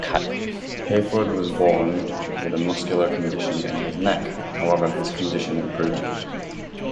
Hayford was born with a muscular condition in his neck, however his condition improved.